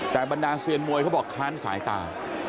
แต่บรรดาเซียนมวยเขาบอกค้านสายตา